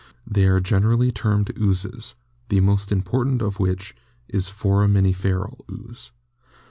They are generally termed oozes, the most important of which is Foraminiferal Ooze.